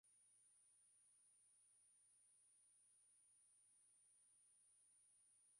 fujo wakati anatembea katikati ya msitu Alijua